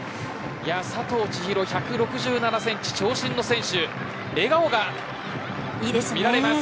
佐藤千紘、１６７センチ長身の選手笑顔が見られます。